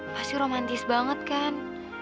pasti romantis banget kan